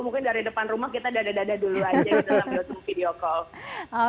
mungkin dari depan rumah kita dadah dadah dulu aja gitu dalam zoom video call